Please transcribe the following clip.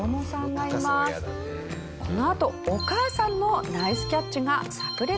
このあとお母さんのナイスキャッチが炸裂。